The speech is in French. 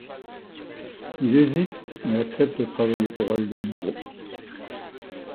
Il hésite, mais accepte de travailler pour elle de nouveau.